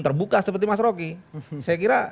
terbuka seperti mas roky saya kira